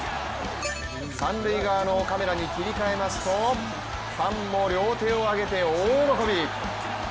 三塁側のカメラに切り替えますとファンも両手を上げて大喜び。